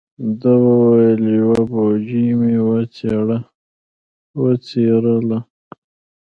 ده و ویل: یوه بوجۍ مې وڅیرله.